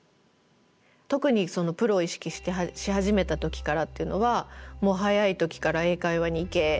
特にプロを意識してし始めた時からっていうのは「もう早い時から英会話に行け。